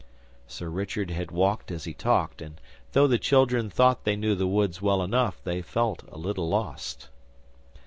Sir Richard had walked as he talked, and though the children thought they knew the woods well enough, they felt a little lost.